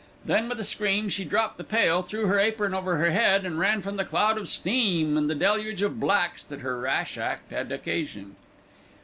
Then, with a scream, she dropped the pail, threw her apron over her head, and ran from the cloud of steam and the deluge of blacks that her rash act had occasioned.